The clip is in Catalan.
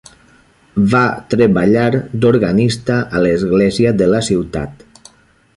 Va treballar d'organista a l'església de la ciutat.